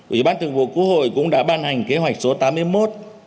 ủy ban thường vụ quốc hội cũng đã ban hành kế hoạch số tám mươi một